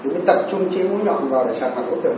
thì mình tập trung chiếu vũ nhọn vào để sản phẩm ổ tượng